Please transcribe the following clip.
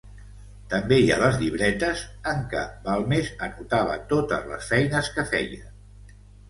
També hi ha les llibretes en què Balmes anotava totes les feines que feia.